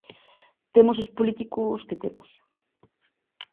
Temos os políticos que temos...